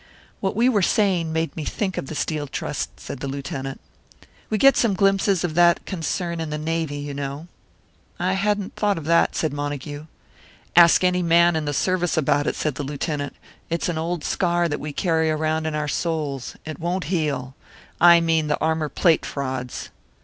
"What we were saying made me think of the Steel Trust," said the Lieutenant. "We get some glimpses of that concern in the Navy, you know." "I hadn't thought of that," said Montague. "Ask any man in the service about it," said the Lieutenant. "It's an old scar that we carry around in our souls it won't heal. I mean the armour plate frauds."